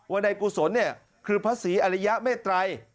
ว่าในกุศลเนี่ยคือพระศรีอริยเมตรัย